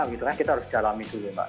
kita harus jalani dulu pak